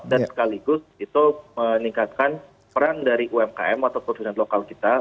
dan sekaligus itu meningkatkan peran dari umkm atau produksi lokal kita